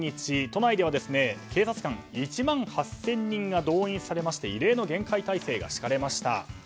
都内では警察官１万８０００人が動員されまして異例の厳戒態勢が敷かれました。